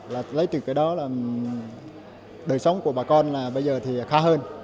là lấy từ cái đó là đời sống của bà con là bây giờ thì khá hơn